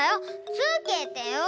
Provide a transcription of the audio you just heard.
つけてよ！